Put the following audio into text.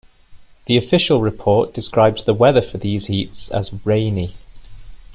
The Official Report describes the weather for these heats as 'rainy'.